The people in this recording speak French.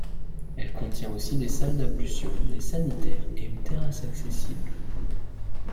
Elle contient aussi des salles d'ablution, des sanitaires et une terrasse accessible.